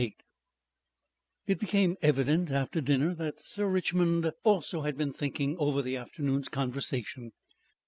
Section 7 It became evident after dinner that Sir Richmond also had been thinking over the afternoon's conversation.